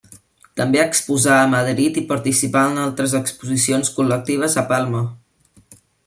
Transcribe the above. També exposà a Madrid i participà en altres exposicions col·lectives a Palma.